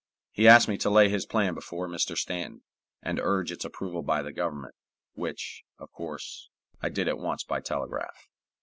He asked me to lay his plan before Mr. Stanton, and urge its approval by the Government, which, of course, I did at once by telegraph.